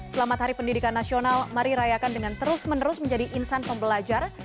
selamat hari pendidikan nasional mari rayakan dengan terus menerus menjadi insan pembelajar